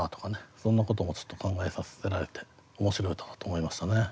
そんなこともちょっと考えさせられて面白い歌だと思いましたね。